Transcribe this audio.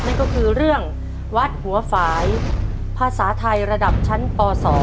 นั่นก็คือเรื่องวัดหัวฝ่ายภาษาไทยระดับชั้นป๒